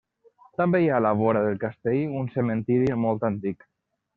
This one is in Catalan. També hi ha a la vora del castell un cementiri molt antic.